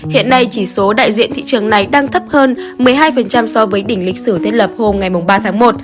hiện nay chỉ số đại diện thị trường này đang thấp hơn một mươi hai so với đỉnh lịch sử thiết lập hôm ba tháng một